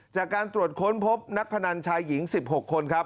จากการตรวจค้นพบนักพนันชายหญิง๑๖คนครับ